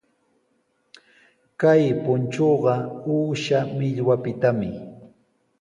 Kay punchuqa uusha millwapitami.